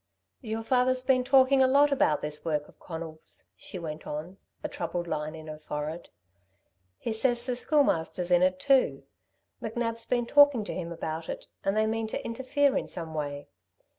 "Your father's been talking a lot about this work of Conal's," she went on, a troubled line in her forehead. "He says the Schoolmaster's in it too. McNab's been talking to him about it, and they mean to interfere in some way.